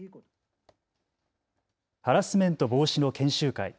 ハラスメント防止の研修会。